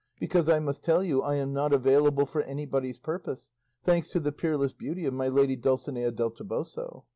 Because I must tell you I am not available for anybody's purpose, thanks to the peerless beauty of my lady Dulcinea del Toboso.